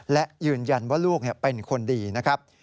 และยืนยันว่าลูกเป็นคนดีนะครับ